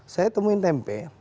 saya temuin tempe